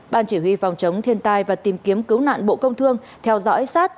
ban chỉ huy phòng chống thiên tai và tìm kiếm cứu nạn bộ công thương theo dõi sát